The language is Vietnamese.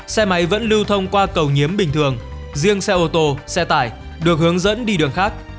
xe máy vẫn lưu thông qua cầu nhiếm bình thường riêng xe ô tô xe tải được hướng dẫn đi đường khác